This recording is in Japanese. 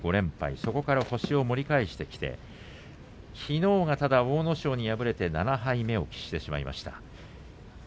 そこから星を盛り返してきてきのうは阿武咲に敗れて７敗目を喫してしまいました。